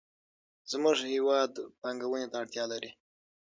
زموږ هېواد پانګونې ته اړتیا لري.